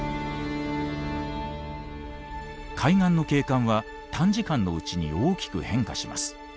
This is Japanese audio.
海岸の景観は短時間のうちに大きく変化します。